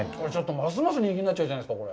ますます人気になっちゃうじゃないですか。